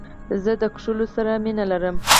زه د کښلو سره مینه لرم.